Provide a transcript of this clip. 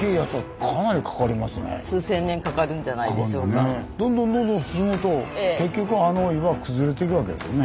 じゃあどんどんどんどん進むと結局あの岩崩れていくわけですよね。